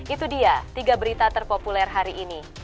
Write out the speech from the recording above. itu dia tiga berita terpopuler hari ini